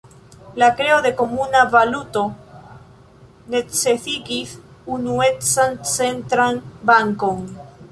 La kreo de komuna valuto necesigis unuecan centran bankon.